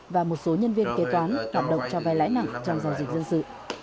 và một số nhân viên kế toán đọc đọc cho vay lãi nặng trong giao dịch dân sự